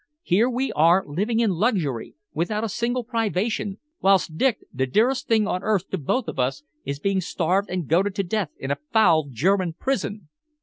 Here we are living in luxury, without a single privation, whilst Dick, the dearest thing on earth to both of us, is being starved and goaded to death in a foul German prison!"